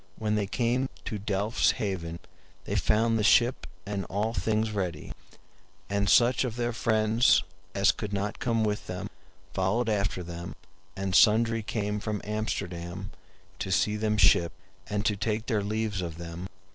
When they came to Delfs Haven they found the ship and all things ready; and such of their friends as could not come with them followed after them, and sundry came from Amsterdam to see them shipt, and to take their leaves of them.